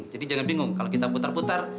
jadi jangan bingung kalau kita putar putar